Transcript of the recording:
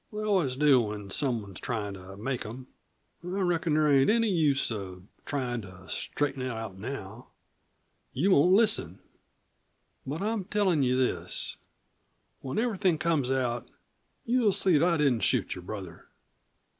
They always do when someone's tryin' to make 'em. I reckon there ain't any use of tryin' to straighten it out now you won't listen. But I'm tellin' you this: When everything comes out you'll see that I didn't shoot your brother."